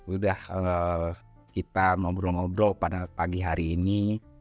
udah kita ngobrol ngobrol pada pagi hari ini